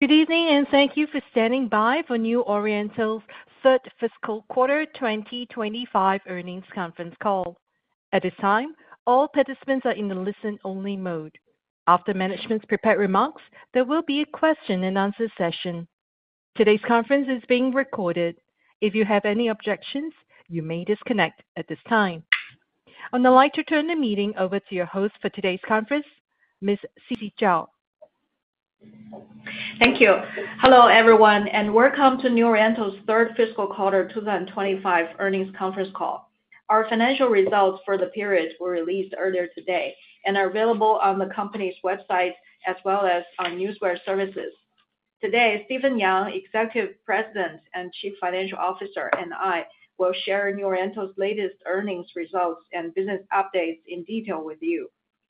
Good evening, and thank you for standing by for New Oriental's third fiscal quarter 2025 earnings conference call. At this time, all participants are in the listen-only mode. After management's prepared remarks, there will be a question-and-answer session. Today's conference is being recorded. If you have any objections, you may disconnect at this time. I'd like to turn the meeting over to your host for today's conference, Ms. Sisi Zhao. Thank you. Hello, everyone, and welcome to New Oriental's third fiscal quarter 2025 earnings conference call. Our financial results for the period were released earlier today and are available on the company's website as well as on newswire services. Today, Stephen Yang, Executive President and Chief Financial Officer, and I will share New Oriental's latest earnings results and business updates in detail with you.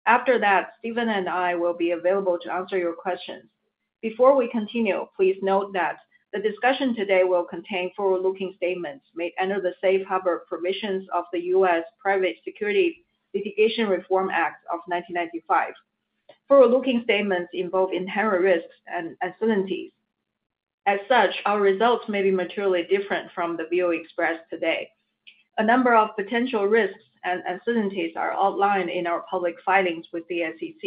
After that, Stephen and I will be available to answer your questions. Before we continue, please note that the discussion today will contain forward-looking statements made under the Safe Harbor provisions of the U.S. Private Securities Litigation Reform Act of 1995. Forward-looking statements involve inherent risks and uncertainties. As such, our results may be materially different from the view expressed today. A number of potential risks and uncertainties are outlined in our public filings with the SEC.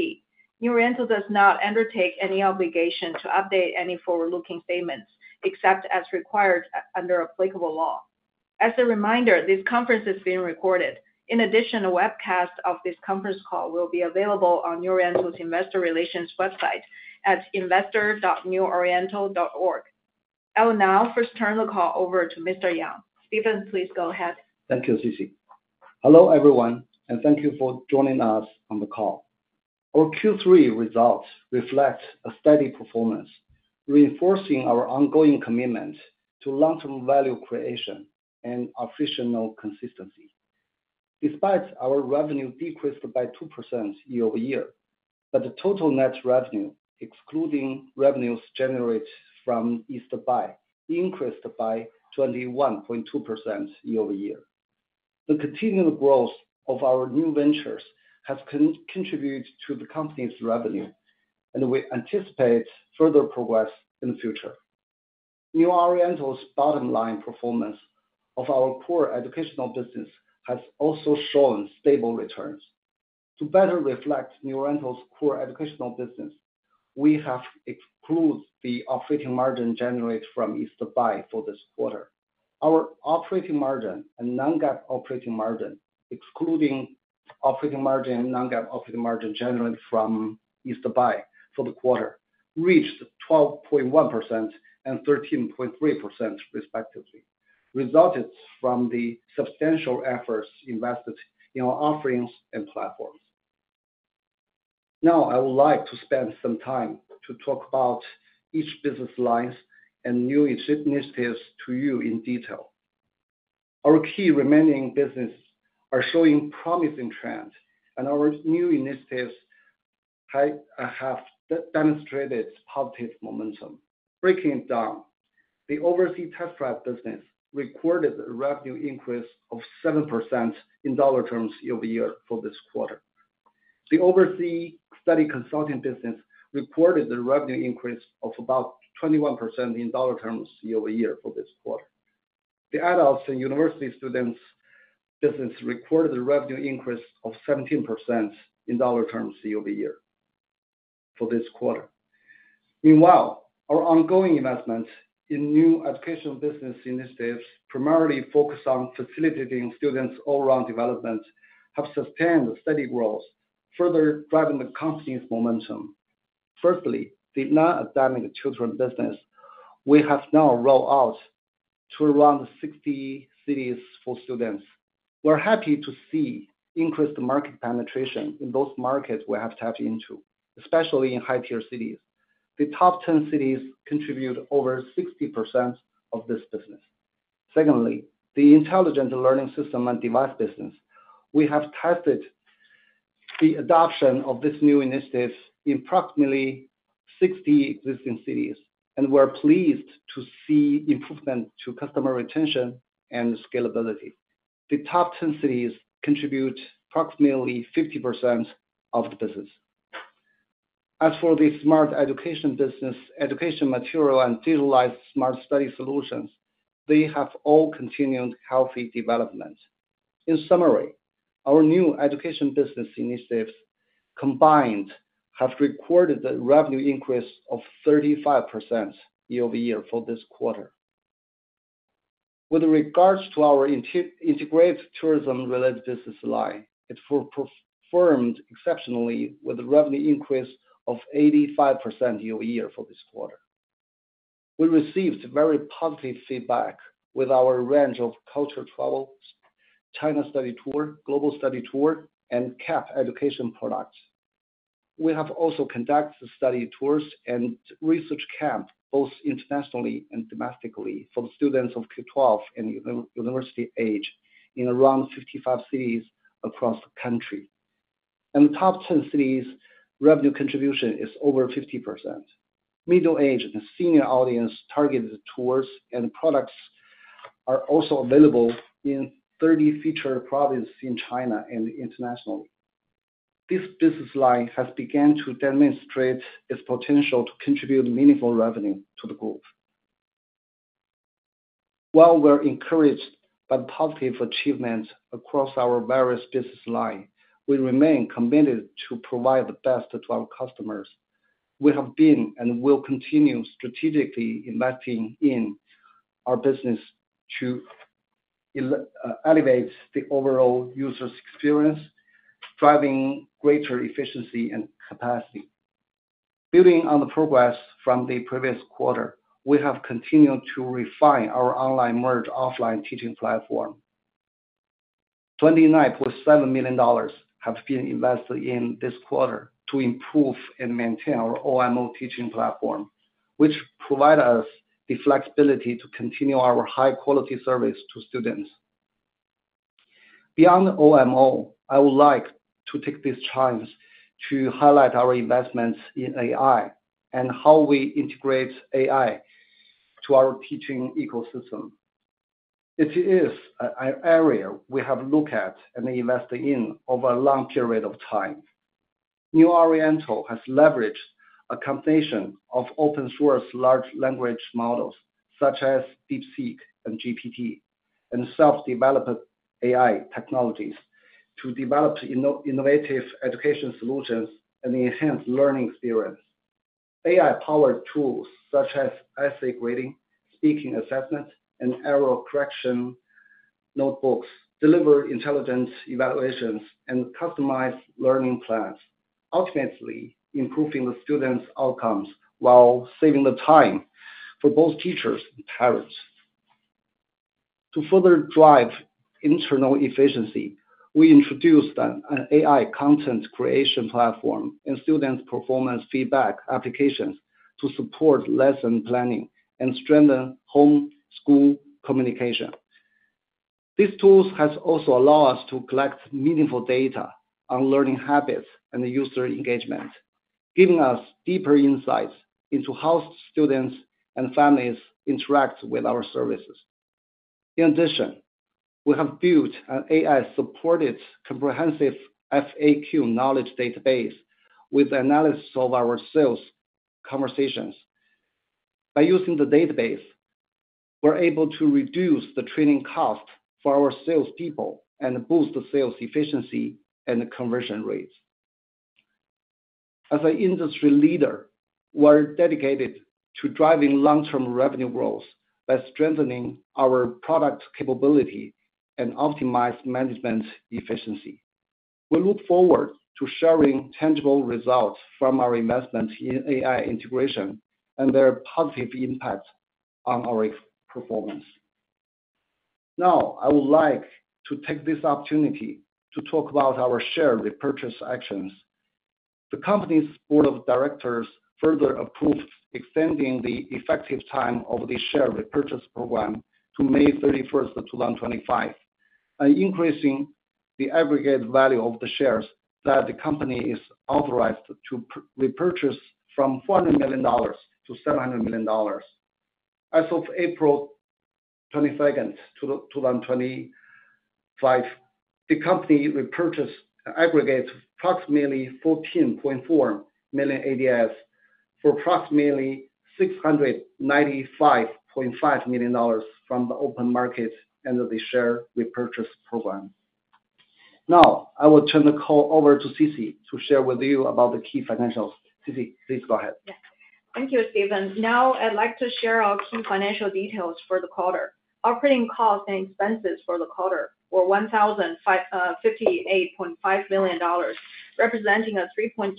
New Oriental does not undertake any obligation to update any forward-looking statements except as required under applicable law. As a reminder, this conference is being recorded. In addition, a webcast of this conference call will be available on New Oriental's investor relations website at investor.neworiental.org. I will now first turn the call over to Mr. Yang. Stephen, please go ahead. Thank you, Sisi. Hello, everyone, and thank you for joining us on the call. Our Q3 results reflect a steady performance, reinforcing our ongoing commitment to long-term value creation and operational consistency. Despite our revenue decreased by 2% year over year, the total net revenue, excluding revenues generated from East Buy, increased by 21.2% year over year. The continual growth of our new ventures has contributed to the company's revenue, and we anticipate further progress in the future. New Oriental's bottom-line performance of our core educational business has also shown stable returns. To better reflect New Oriental's core educational business, we have excluded the operating margin generated from East Buy for this quarter. Our operating margin and non-GAAP operating margin, excluding operating margin and non-GAAP operating margin generated from East Buy for the quarter, reached 12.1% and 13.3%, respectively, resulting from the substantial efforts invested in our offerings and platforms. Now, I would like to spend some time to talk about each business line and new initiatives to you in detail. Our key remaining businesses are showing promising trends, and our new initiatives have demonstrated positive momentum. Breaking it down, the overseas test prep business recorded a revenue increase of 7% in dollar terms year over year for this quarter. The overseas study consulting business recorded a revenue increase of about 21% in dollar terms year over year for this quarter. The adults and university students business recorded a revenue increase of 17% in dollar terms year over year for this quarter. Meanwhile, our ongoing investments in new educational business initiatives, primarily focused on facilitating students' all-round development, have sustained steady growth, further driving the company's momentum. Firstly, the non-academic children business, we have now rolled out to around 60 cities for students. We're happy to see increased market penetration in those markets we have tapped into, especially in high-tier cities. The top 10 cities contribute over 60% of this business. Secondly, the intelligent learning system and device business. We have tested the adoption of this new initiative in approximately 60 existing cities, and we're pleased to see improvement to customer retention and scalability. The top 10 cities contribute approximately 50% of the business. As for the smart education business, education materials, and digitalized smart study solutions, they have all continued healthy development. In summary, our new education business initiatives combined have recorded a revenue increase of 35% year over year for this quarter. With regards to our integrated tourism-related business line, it performed exceptionally with a revenue increase of 85% year over year for this quarter. We received very positive feedback with our range of culture travels, China study tour, global study tour, and camp education products. We have also conducted study tours and research camps both internationally and domestically for the students of K-12 and university age in around 55 cities across the country. In the top 10 cities, revenue contribution is over 50%. Middle-aged and senior audience targeted tours and products are also available in 30 featured provinces in China and internationally. This business line has begun to demonstrate its potential to contribute meaningful revenue to the group. While we're encouraged by the positive achievements across our various business lines, we remain committed to providing the best to our customers. We have been and will continue strategically investing in our business to elevate the overall user's experience, driving greater efficiency and capacity. Building on the progress from the previous quarter, we have continued to refine our online merge-offline teaching platform. $29.7 million have been invested in this quarter to improve and maintain our OMO teaching platform, which provides us the flexibility to continue our high-quality service to students. Beyond OMO, I would like to take this chance to highlight our investments in AI and how we integrate AI to our teaching ecosystem. It is an area we have looked at and invested in over a long period of time. New Oriental has leveraged a combination of open-source large language models such as DeepSeek and GPT and self-developed AI technologies to develop innovative education solutions and enhance learning experience. AI-powered tools such as essay grading, speaking assessment, and error correction notebooks deliver intelligent evaluations and customized learning plans, ultimately improving the students' outcomes while saving the time for both teachers and parents. To further drive internal efficiency, we introduced an AI content creation platform and student performance feedback applications to support lesson planning and strengthen home-school communication. These tools have also allowed us to collect meaningful data on learning habits and user engagement, giving us deeper insights into how students and families interact with our services. In addition, we have built an AI-supported comprehensive FAQ knowledge database with analysis of our sales conversations. By using the database, we're able to reduce the training cost for our salespeople and boost the sales efficiency and conversion rates. As an industry leader, we're dedicated to driving long-term revenue growth by strengthening our product capability and optimizing management efficiency. We look forward to sharing tangible results from our investments in AI integration and their positive impact on our performance. Now, I would like to take this opportunity to talk about our shared repurchase actions. The company's board of directors further approved extending the effective time of the share repurchase program to May 31, 2025, and increasing the aggregate value of the shares that the company is authorized to repurchase from $400 million-$700 million. As of April 22, 2025, the company repurchased and aggregated approximately 14.4 million ADS for approximately $695.5 million from the open markets under the share repurchase program. Now, I will turn the call over to Sisi to share with you about the key financials. Sisi, please go ahead. Yes. Thank you, Stephen. Now, I'd like to share our key financial details for the quarter. Operating costs and expenses for the quarter were $1,058.5 million, representing a 3.2%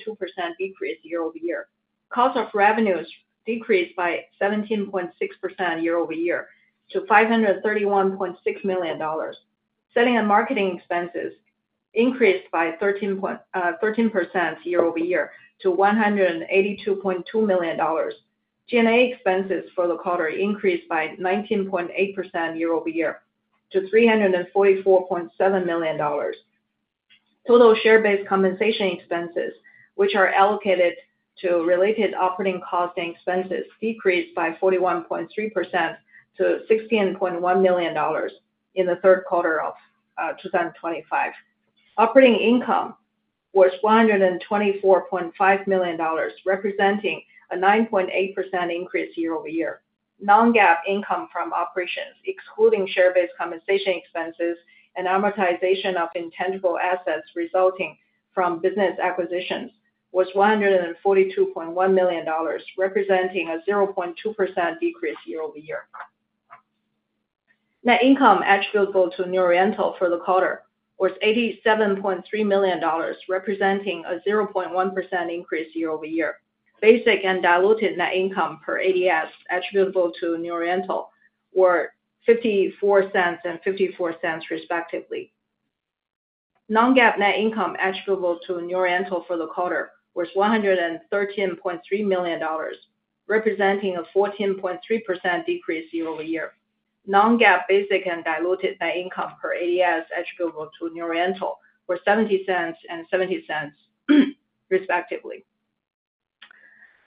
decrease year over year. Cost of revenues decreased by 17.6% year over year to $531.6 million, selling and marketing expenses increased by 13% year over year to $182.2 million. G&A expenses for the quarter increased by 19.8% year over year to $344.7 million. Total share-based compensation expenses, which are allocated to related operating costs and expenses, decreased by 41.3% to $16.1 million in the third quarter of 2025. Operating income was $124.5 million, representing a 9.8% increase year over year. Non-GAAP income from operations, excluding share-based compensation expenses and amortization of intangible assets resulting from business acquisitions, was $142.1 million, representing a 0.2% decrease year over year. Net income attributable to New Oriental for the quarter was $87.3 million, representing a 0.1% increase year over year. Basic and diluted net income per ADS attributable to New Oriental were $0.54 and $0.54, respectively. Non-GAAP net income attributable to New Oriental for the quarter was $113.3 million, representing a 14.3% decrease year over year. Non-GAAP basic and diluted net income per ADS attributable to New Oriental were $0.70 and $0.70, respectively.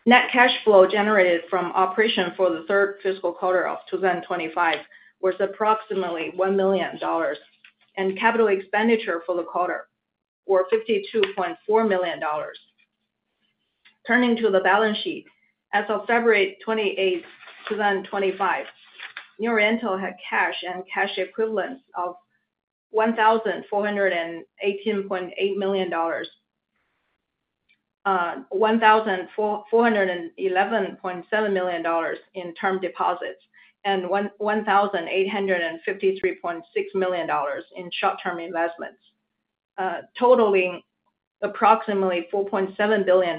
Net cash flow generated from operations for the third fiscal quarter of 2025 was approximately $1 million, and capital expenditure for the quarter was $52.4 million. Turning to the balance sheet, as of February 28, 2025, New Oriental had cash and cash equivalents of $1,418.8 million, $1,411.7 million in term deposits, and $1,853.6 million in short-term investments, totaling approximately $4.7 billion.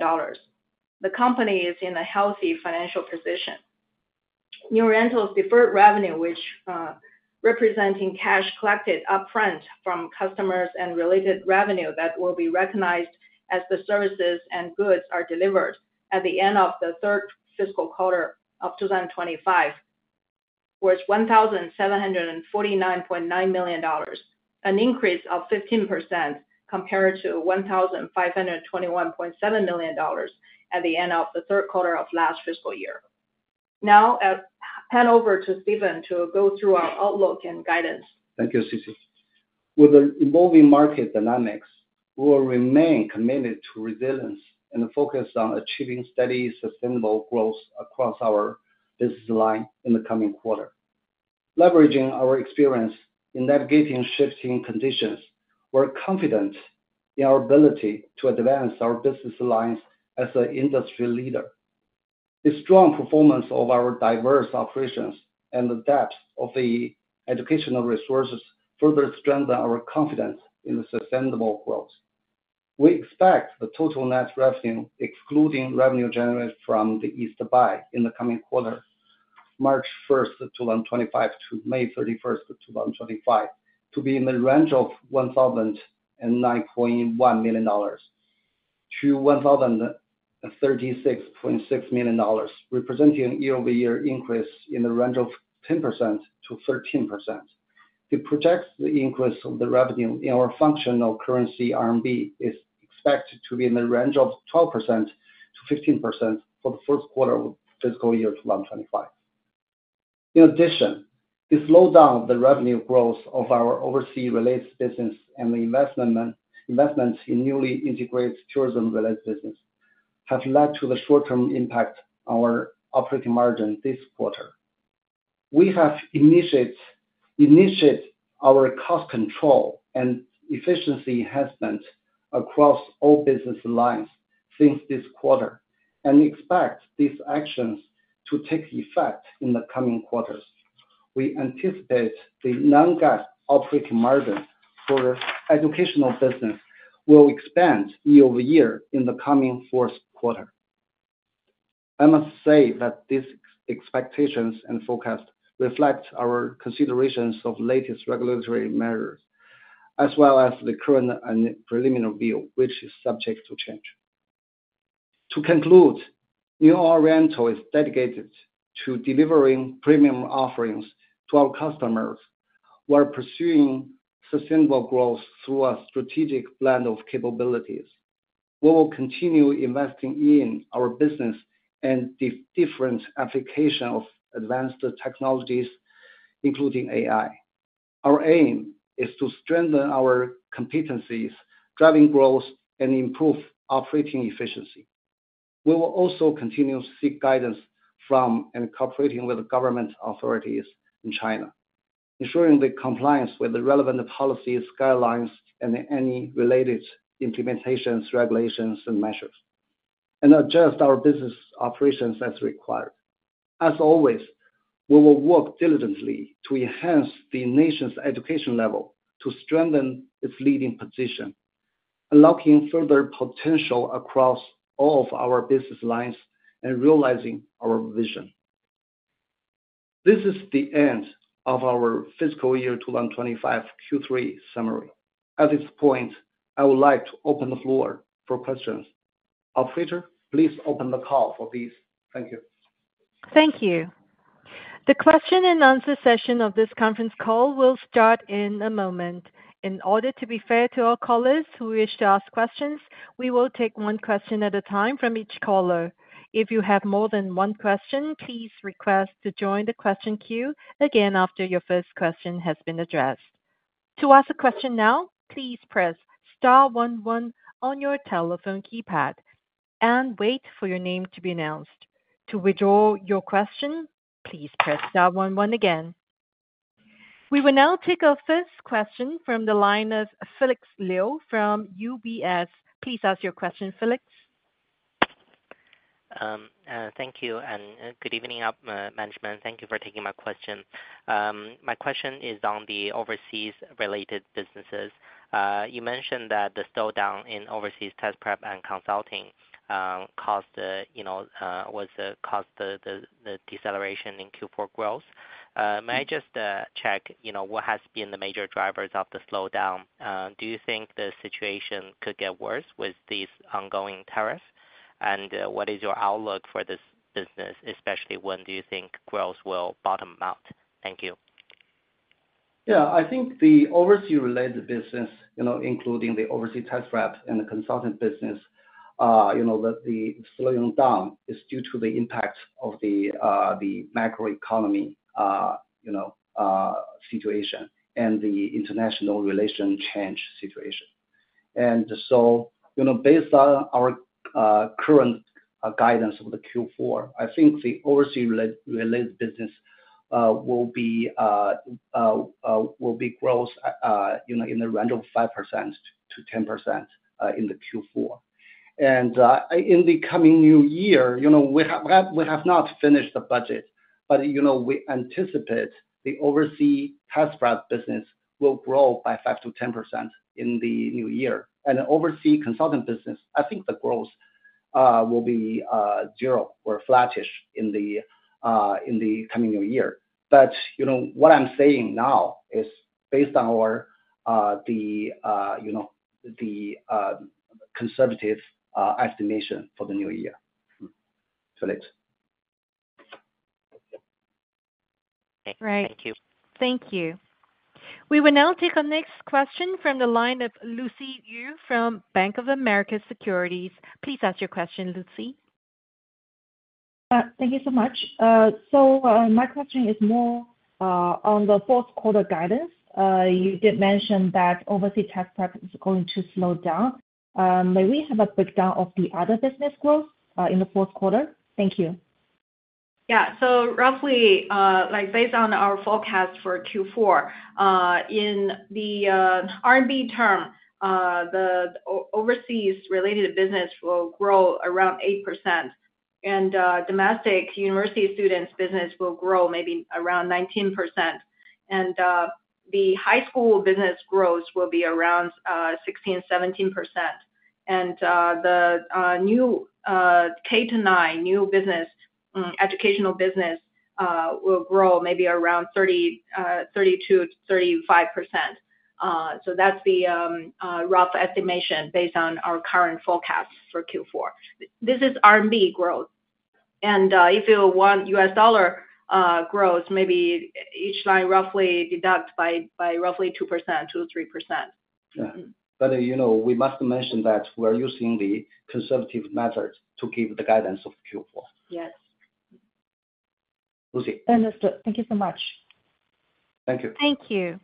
The company is in a healthy financial position. New Oriental's deferred revenue, which represents cash collected upfront from customers and related revenue that will be recognized as the services and goods are delivered at the end of the third fiscal quarter of 2025, was $1,749.9 million, an increase of 15% compared to $1,521.7 million at the end of the third quarter of last fiscal year. Now, I'll hand over to Stephen to go through our outlook and guidance. Thank you, Sisi. With the evolving market dynamics, we will remain committed to resilience and focus on achieving steady, sustainable growth across our business line in the coming quarter. Leveraging our experience in navigating shifting conditions, we're confident in our ability to advance our business lines as an industry leader. The strong performance of our diverse operations and the depth of the educational resources further strengthen our confidence in sustainable growth. We expect the total net revenue, excluding revenue generated from East Buy, in the coming quarter, March 1, 2025 to May 31, 2025, to be in the range of $1,009.1 million-$1,036.6 million, representing a year-over-year increase in the range of 10%-13%. The projected increase of the revenue in our functional currency, RMB, is expected to be in the range of 12%-15% for the fourth quarter of fiscal year 2025. In addition, the slowdown of the revenue growth of our overseas-related business and the investments in newly integrated tourism-related business have led to the short-term impact on our operating margin this quarter. We have initiated our cost control and efficiency enhancement across all business lines since this quarter and expect these actions to take effect in the coming quarters. We anticipate the non-GAAP operating margin for educational business will expand year over year in the coming fourth quarter. I must say that these expectations and forecasts reflect our considerations of the latest regulatory measures, as well as the current and preliminary view, which is subject to change. To conclude, New Oriental is dedicated to delivering premium offerings to our customers while pursuing sustainable growth through a strategic blend of capabilities. We will continue investing in our business and the different applications of advanced technologies, including AI. Our aim is to strengthen our competencies, driving growth, and improving operating efficiency. We will also continue to seek guidance from and cooperate with government authorities in China, ensuring compliance with the relevant policies, guidelines, and any related implementations, regulations, and measures, and adjust our business operations as required. As always, we will work diligently to enhance the nation's education level to strengthen its leading position, unlocking further potential across all of our business lines and realizing our vision. This is the end of our fiscal year 2025 Q3 summary. At this point, I would like to open the floor for questions. Operator, please open the call for these. Thank you. Thank you. The question-and-answer session of this conference call will start in a moment. In order to be fair to our callers who wish to ask questions, we will take one question at a time from each caller. If you have more than one question, please request to join the question queue again after your first question has been addressed. To ask a question now, please press Star one one on your telephone keypad and wait for your name to be announced. To withdraw your question, please press Star one one again. We will now take our first question from the line of Felix Liu from UBS. Please ask your question, Felix. Thank you and good evening, management. Thank you for taking my question. My question is on the overseas-related businesses. You mentioned that the slowdown in overseas test prep and consulting caused the, you know, was the caused the deceleration in Q4 growth. May I just check, you know, what has been the major drivers of the slowdown? Do you think the situation could get worse with these ongoing tariffs? What is your outlook for this business, especially when do you think growth will bottom out? Thank you. Yeah, I think the overseas-related business, you know, including the overseas test prep and the consultant business, you know, that the slowing down is due to the impact of the macroeconomy, you know, situation and the international relations change situation. You know, based on our current guidance of the Q4, I think the overseas-related business will be, will be growth, you know, in the range of 5%-10% in the Q4. In the coming new year, you know, we have not finished the budget, but, you know, we anticipate the overseas test prep business will grow by 5%-10% in the new year. The overseas consultant business, I think the growth will be zero or flattish in the coming new year. You know, what I'm saying now is based on our, the, you know, the conservative estimation for the new year. Felix. Thank you. Thank you. We will now take our next question from the line of Lucy Yu from Bank of America Securities. Please ask your question, Lucy. Thank you so much. My question is more on the fourth quarter guidance. You did mention that overseas test prep is going to slow down. May we have a breakdown of the other business growth in the fourth quarter? Thank you. Yeah, so roughly, like based on our forecast for Q4, in the RMB term, the overseas-related business will grow around 8%, and domestic university students' business will grow maybe around 19%. The high school business growth will be around 16%-17%. The new K-9, new business, educational business will grow maybe around 30%-32%-35%. That's the rough estimation based on our current forecast for Q4. This is RMB growth. If you want U.S. dollar growth, maybe each line roughly deduct by roughly 2%-3%. Yeah. You know, we must mention that we're using the conservative method to give the guidance of Q4. Yes. Lucy. Understood. Thank you so much. Thank you. Thank you.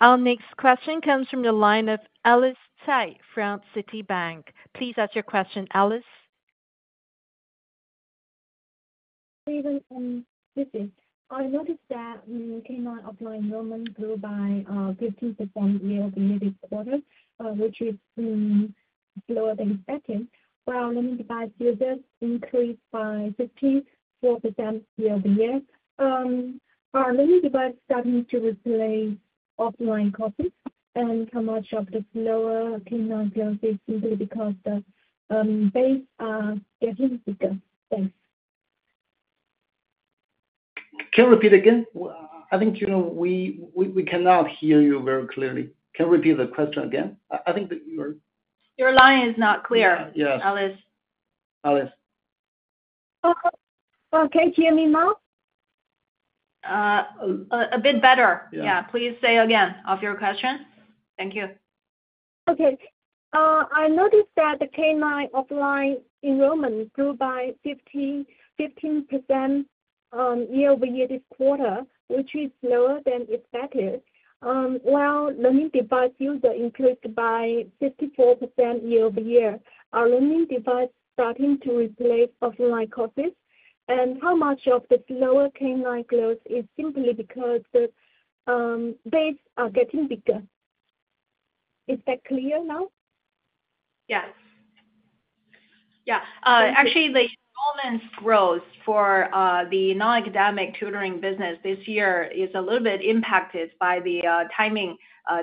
Our next question comes from the line of Alice Cai from Citibank. Please ask your question, Alice. Stephen from Citi. I noticed that we K-9 offline grew by 15% year-over-year this quarter, which is slower than expected. Our learning device users increased by 15% year-over-year. Our learning device is starting to replace offline courses, and how much of the slower came on growth is simply because the base is getting bigger. Thanks. Can you repeat again? I think, you know, we cannot hear you very clearly. Can you repeat the question again? I think that you're. Your line is not clear, Alice. Alice. Okay. Can you hear me now? A bit better. Yeah. Please say again your question. Thank you. Okay. I noticed that the K-9 offline enrollment grew by 15% year-over-year this quarter, which is slower than expected. While learning device users increased by 54% year-over-year, our learning device is starting to replace offline courses. How much of the slower K-9 growth is simply because the base is getting bigger? Is that clear now? Yes. Yeah. Actually, the enrollment growth for the non-academic tutoring business this year is a little bit impacted by the timing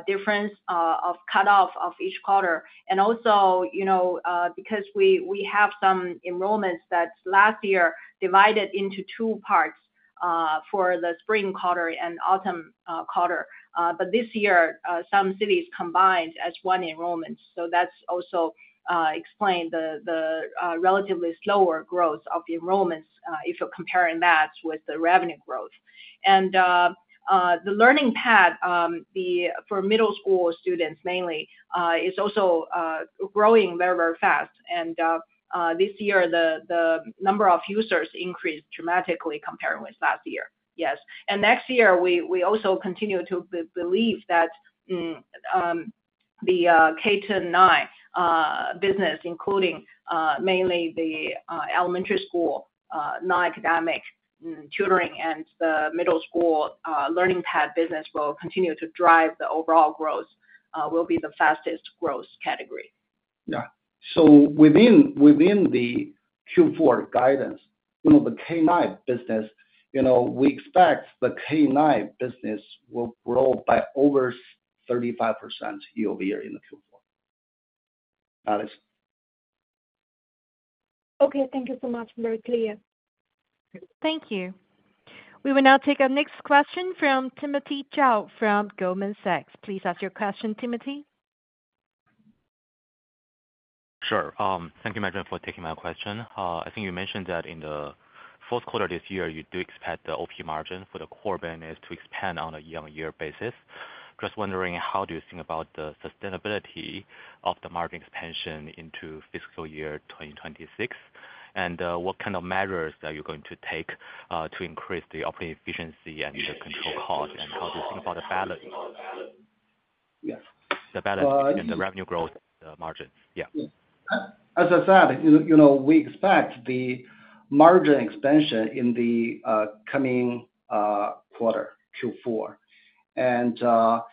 difference of cutoff of each quarter. Also, you know, because we have some enrollments that last year divided into two parts for the spring quarter and autumn quarter. This year, some cities combined as one enrollment. That also explains the relatively slower growth of enrollments if you're comparing that with the revenue growth. The learning path for middle school students mainly is also growing very, very fast. This year, the number of users increased dramatically compared with last year. Yes. Next year, we also continue to believe that the K-9 business, including mainly the elementary school non-academic tutoring and the middle school learning path business, will continue to drive the overall growth, will be the fastest growth category. Yeah. Within the Q4 guidance, you know, the K-9 business, you know, we expect the K-9 business will grow by over 35% year-over-year in the Q4. Alice. Okay. Thank you so much. Very clear. Thank you. We will now take our next question from Timothy Zhao from Goldman Sachs. Please ask your question, Timothy. Sure. Thank you, management, for taking my question. I think you mentioned that in the fourth quarter this year, you do expect the OP margin for the core business to expand on a year-on-year basis. Just wondering, how do you think about the sustainability of the margin expansion into fiscal year 2026? What kind of measures are you going to take to increase the operating efficiency and the control cost? How do you think about the balance? Yes. The balance and the revenue growth margin. Yeah. As I said, you know, we expect the margin expansion in the coming quarter, Q4. I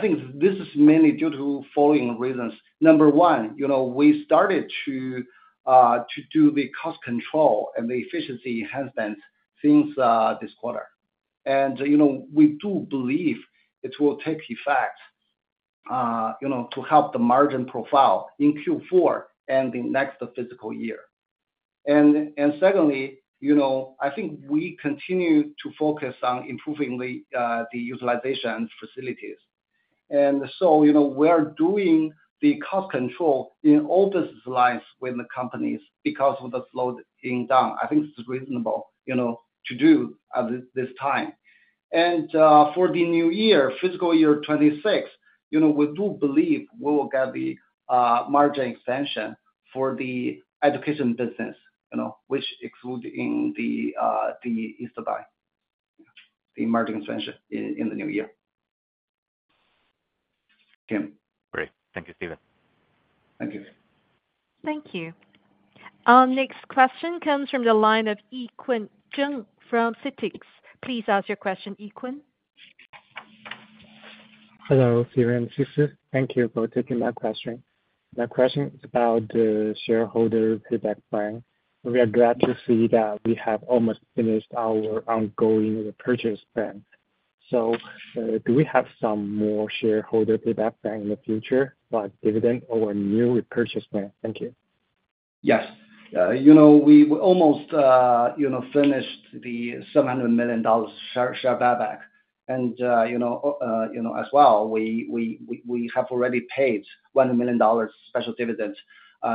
think this is mainly due to the following reasons. Number one, you know, we started to do the cost control and the efficiency enhancement since this quarter. You know, we do believe it will take effect, you know, to help the margin profile in Q4 and the next fiscal year. Secondly, you know, I think we continue to focus on improving the utilization facilities. You know, we're doing the cost control in all business lines with the companies because of the slowing down. I think it's reasonable, you know, to do at this time. For the new year, fiscal year 2026, you know, we do believe we will get the margin expansion for the education business, you know, which excludes East Buy, the margin expansion in the new year. Tim. Great. Thank you, Stephen. Thank you. Thank you. Our next question comes from the line of Yi Quan Zheng from Citics. Please ask your question, Yi Quan. Hello, Stephen. Thank you for taking my question. My question is about the shareholder payback plan. We are glad to see that we have almost finished our ongoing repurchase plan. Do we have some more shareholder payback plan in the future, like dividend or new repurchase plan? Thank you. Yes. You know, we almost, you know, finished the $700 million share buyback. You know, as well, we have already paid $1 million special dividends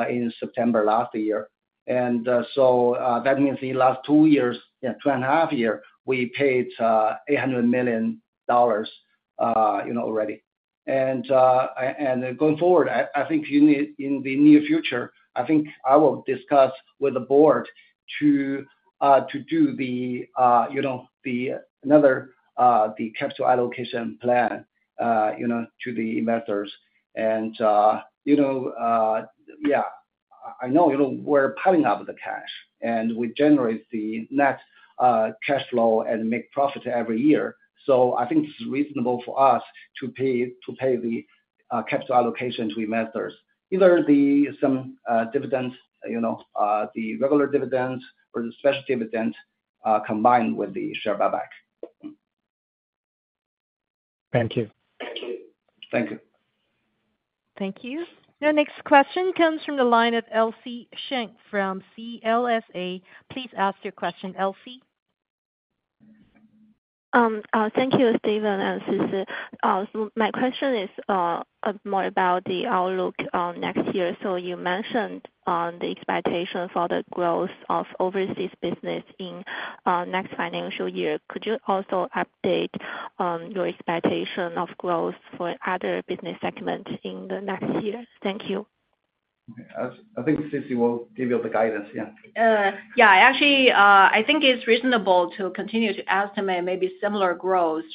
in September last year. That means in the last two years, yeah, two and a half years, we paid $800 million, you know, already. Going forward, I think in the near future, I think I will discuss with the board to do the, you know, another capital allocation plan, you know, to the investors. You know, yeah, I know, you know, we're piling up the cash, and we generate the net cash flow and make profit every year. I think it's reasonable for us to pay the capital allocation to investors, either the some dividends, you know, the regular dividends or the special dividends combined with the share buyback. Thank you. Thank you. Thank you. Our next question comes from the line of Elsie Cheng from CLSA. Please ask your question, Elsie. Thank you, Stephen and Sisi. My question is more about the outlook next year. You mentioned the expectation for the growth of overseas business in next financial year. Could you also update your expectation of growth for other business segments in the next year? Thank you. I think Sisi will give you the guidance. Yeah. Yeah. Actually, I think it's reasonable to continue to estimate maybe similar growth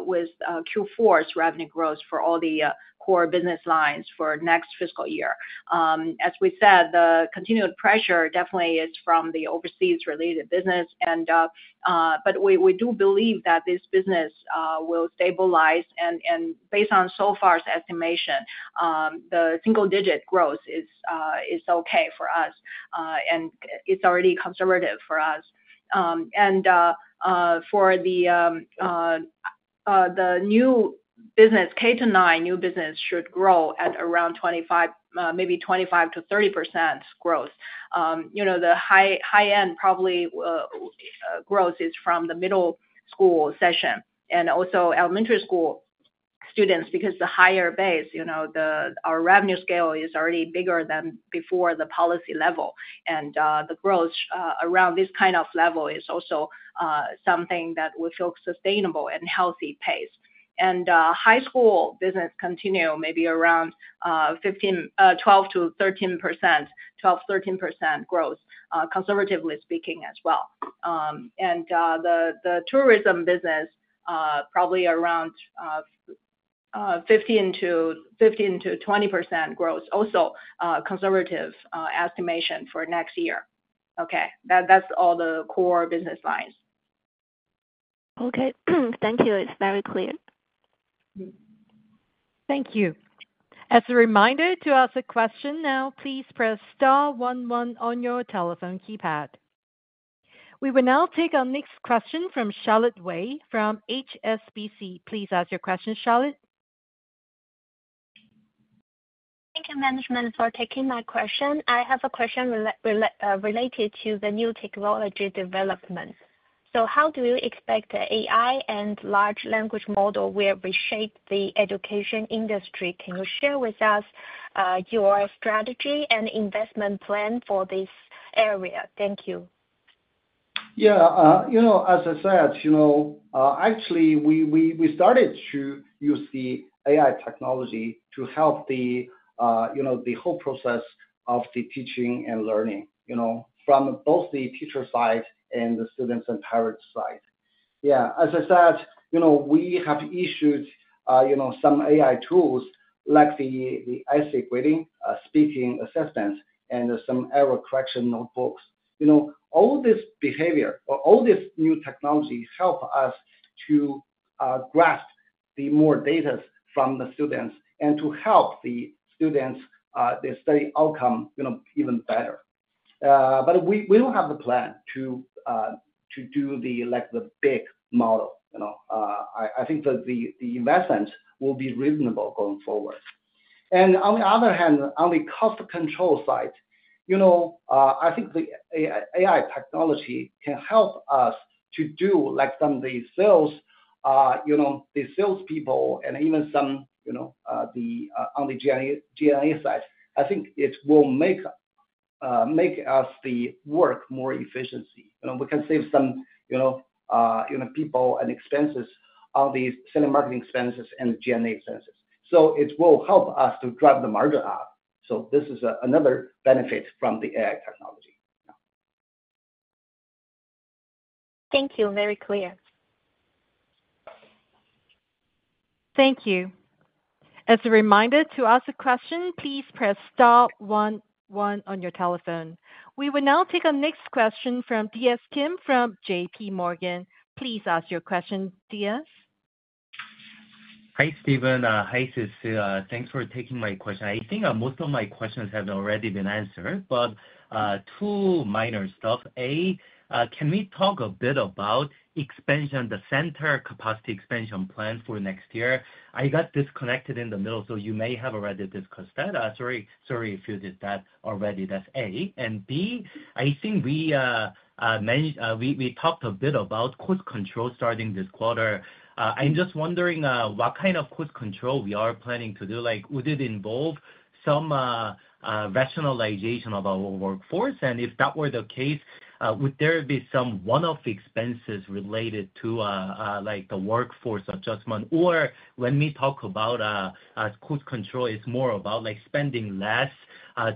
with Q4's revenue growth for all the core business lines for next fiscal year. As we said, the continued pressure definitely is from the overseas-related business. We do believe that this business will stabilize. Based on so far's estimation, the single-digit growth is okay for us. It's already conservative for us. For the new business, K-9 new business should grow at around 25-30% growth. You know, the high-end probably growth is from the middle school session and also elementary school students because the higher base, you know, our revenue scale is already bigger than before the policy level. The growth around this kind of level is also something that will feel sustainable and healthy pace. High school business continue maybe around 15%, 12%-13%, 12%, 13% growth, conservatively speaking as well. The tourism business probably around 15%-20% growth, also conservative estimation for next year. Okay. That is all the core business lines. Okay. Thank you. It's very clear. Thank you. As a reminder to ask a question now, please press Star one one on your telephone keypad. We will now take our next question from Charlotte Wei from HSBC. Please ask your question, Charlotte. Thank you, management, for taking my question. I have a question related to the new technology development. How do you expect the AI and large language model will reshape the education industry? Can you share with us your strategy and investment plan for this area? Thank you. Yeah. You know, as I said, you know, actually, we started to use the AI technology to help the, you know, the whole process of the teaching and learning, you know, from both the teacher side and the students' and parents' side. Yeah. As I said, you know, we have issued, you know, some AI tools like the essay grading, speaking assessments, and some error correction notebooks. You know, all this behavior, all this new technology helps us to grasp the more data from the students and to help the students, the study outcome, you know, even better. We do not have a plan to do the, like, the big model. You know, I think that the investment will be reasonable going forward. On the other hand, on the cost control side, you know, I think the AI technology can help us to do, like, some of the sales, you know, the salespeople and even some, you know, on the G&A side, I think it will make us work more efficiently. You know, we can save some, you know, people and expenses on the selling marketing expenses and G&A expenses. It will help us to drive the margin up. This is another benefit from the AI technology. Thank you. Very clear. Thank you. As a reminder to ask a question, please press Star one one on your telephone. We will now take our next question from DS Kim from JP Morgan. Please ask your question, DS. Hi, Stephen. Hi, Sisi. Thanks for taking my question. I think most of my questions have already been answered, but two minor stuff. A, can we talk a bit about expansion, the center capacity expansion plan for next year? I got disconnected in the middle, so you may have already discussed that. Sorry if you did that already. That's A. B, I think we talked a bit about cost control starting this quarter. I'm just wondering what kind of cost control we are planning to do. Like, would it involve some rationalization of our workforce? If that were the case, would there be some one-off expenses related to, like, the workforce adjustment? When we talk about cost control, it's more about, like, spending less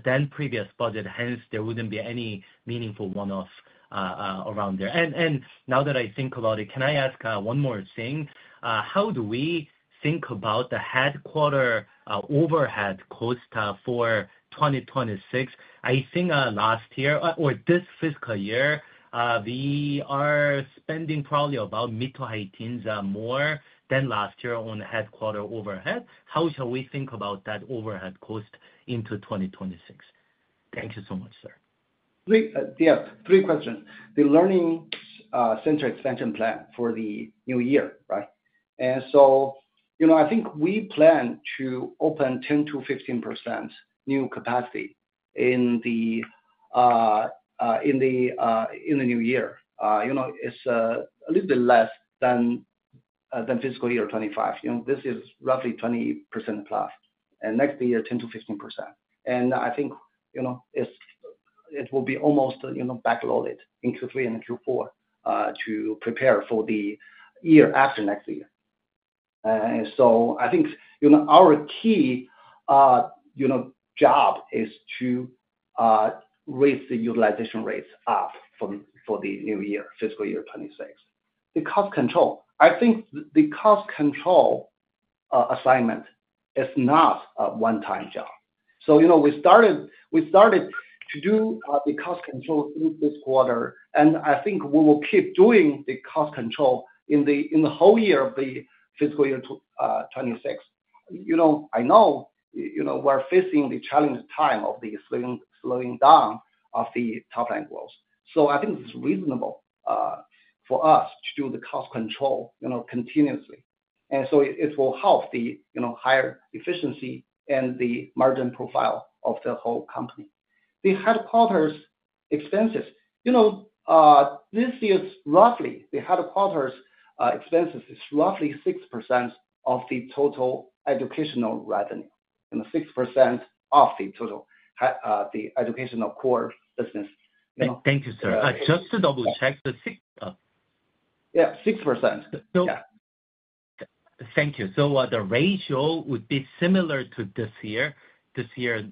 than previous budget. Hence, there wouldn't be any meaningful one-off around there. Now that I think about it, can I ask one more thing? How do we think about the headquarter overhead cost for 2026? I think last year or this fiscal year, we are spending probably about mid-to-high tens more than last year on headquarter overhead. How shall we think about that overhead cost into 2026? Thank you so much, sir. Yeah. Three questions. The learning center expansion plan for the new year, right? You know, I think we plan to open 10%-15% new capacity in the new year. You know, it's a little bit less than fiscal year 2025. You know, this is roughly 20% plus. Next year, 10%-15%. I think, you know, it will be almost, you know, backloaded in Q3 and Q4 to prepare for the year after next year. I think, you know, our key, you know, job is to raise the utilization rates up for the new year, fiscal year 2026. The cost control, I think the cost control assignment is not a one-time job. You know, we started to do the cost control through this quarter. I think we will keep doing the cost control in the whole year of the fiscal year 2026. You know, I know, you know, we're facing the challenge time of the slowing down of the top line growth. I think it's reasonable for us to do the cost control, you know, continuously. It will help the, you know, higher efficiency and the margin profile of the whole company. The headquarters expenses, you know, this year is roughly, the headquarters expenses is roughly 6% of the total educational revenue and 6% of the total, the educational core business. Thank you, sir. Just to double-check the. Yeah. 6%. Thank you. The ratio would be similar to this year, this year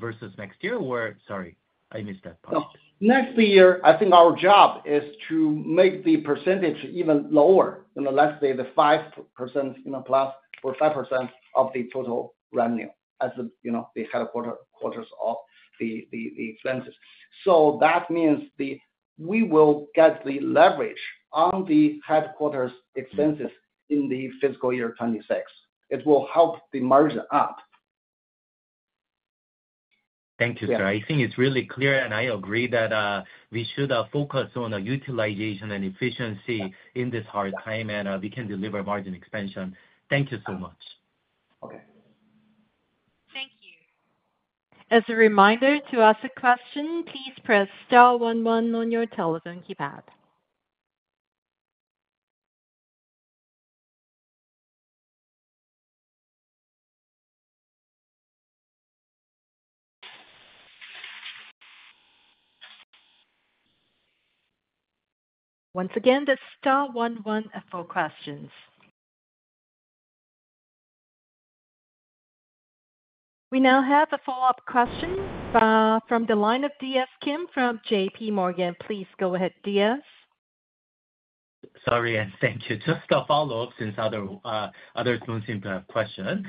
versus next year, or, sorry, I missed that part. Next year, I think our job is to make the percentage even lower, you know, let's say the 5%, you know, plus or 5% of the total revenue as the, you know, the headquarters of the expenses. That means we will get the leverage on the headquarters expenses in the fiscal year 2026. It will help the margin up. Thank you, sir. I think it's really clear, and I agree that we should focus on utilization and efficiency in this hard time, and we can deliver margin expansion. Thank you so much. Okay. Thank you. As a reminder to ask a question, please press Star one one on your telephone keypad. Once again, that's Star one one for questions. We now have a follow-up question from the line of DS Kim from JPMorgan. Please go ahead, DS. Sorry. Thank you. Just a follow-up since others do not seem to have questions.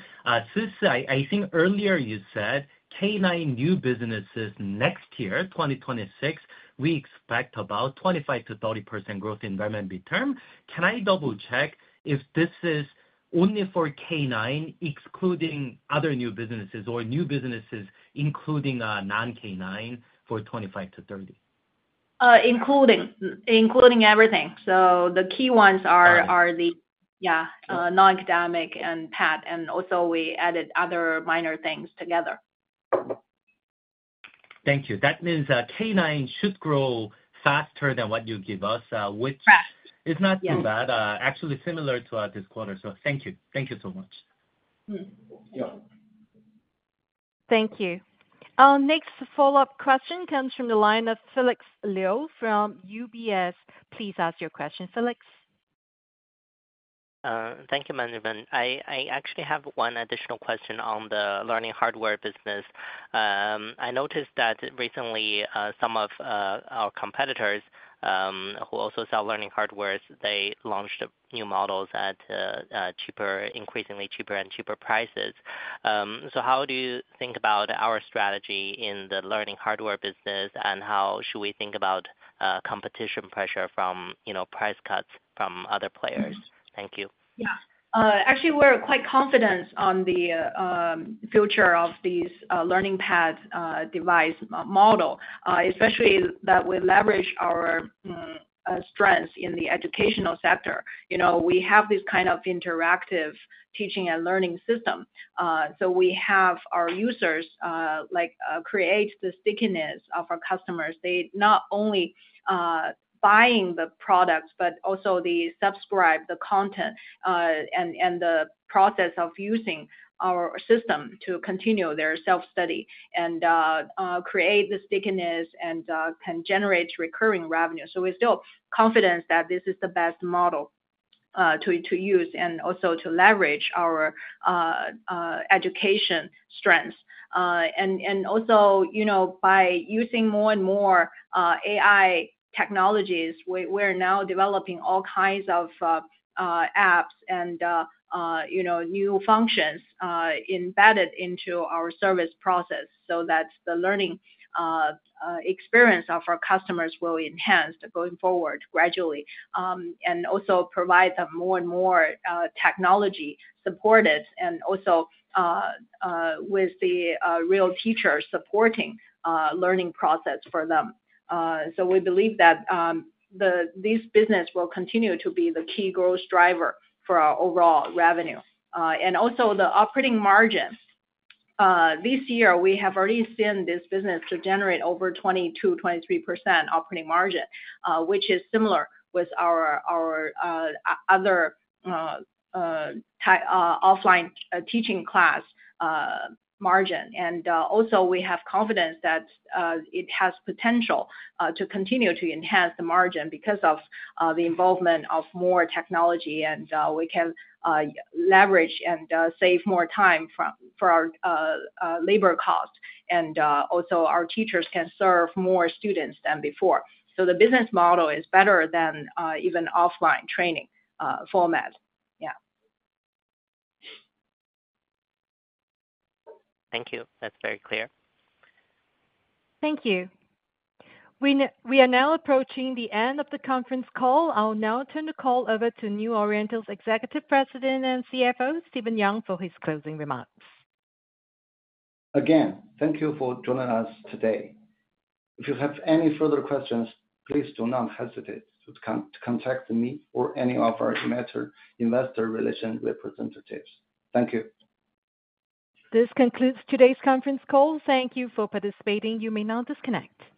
Sisi, I think earlier you said K9 new businesses next year, 2026, we expect about 25%-30% growth in revenue term. Can I double-check if this is only for K9, excluding other new businesses or new businesses including non-K9 for 25%-30%? Including everything. The key ones are the, yeah, non-academic and PAT, and also we added other minor things together. Thank you. That means K9 should grow faster than what you give us, which is not too bad. Actually, similar to this quarter. Thank you. Thank you so much. Thank you. Our next follow-up question comes from the line of Felix Liu from UBS. Please ask your question, Felix. Thank you, management. I actually have one additional question on the learning hardware business. I noticed that recently some of our competitors who also sell learning hardware, they launched new models at cheaper, increasingly cheaper and cheaper prices. How do you think about our strategy in the learning hardware business, and how should we think about competition pressure from, you know, price cuts from other players? Thank you. Yeah. Actually, we're quite confident on the future of these learning PAT device model, especially that we leverage our strengths in the educational sector. You know, we have this kind of interactive teaching and learning system. We have our users, like, create the stickiness of our customers. They not only buy the products, but also they subscribe to the content and the process of using our system to continue their self-study and create the stickiness and can generate recurring revenue. We're still confident that this is the best model to use and also to leverage our education strengths. Also, you know, by using more and more AI technologies, we're now developing all kinds of apps and, you know, new functions embedded into our service process so that the learning experience of our customers will enhance going forward gradually and also provide them more and more technology supported and also with the real teachers supporting the learning process for them. We believe that this business will continue to be the key growth driver for our overall revenue. Also the operating margin. This year, we have already seen this business generate over 22%-23% operating margin, which is similar with our other offline teaching class margin. We have confidence that it has potential to continue to enhance the margin because of the involvement of more technology, and we can leverage and save more time for our labor cost. Our teachers can serve more students than before. The business model is better than even offline training format. Yeah. Thank you. That's very clear. Thank you. We are now approaching the end of the conference call. I'll now turn the call over to New Oriental's Executive President and CFO, Stephen Yang, for his closing remarks. Again, thank you for joining us today. If you have any further questions, please do not hesitate to contact me or any of our investor relations representatives. Thank you. This concludes today's conference call. Thank you for participating. You may now disconnect.